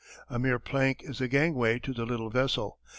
A mere plank is the gangway to the little vessel.